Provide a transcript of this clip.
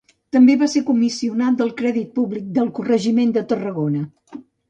També va ser comissionat del crèdit públic del Corregiment de Tarragona.